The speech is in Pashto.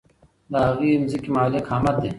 د هغې مځکي مالک احمد دی.